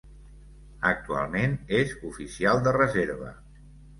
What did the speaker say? Actualment és oficial de reserva.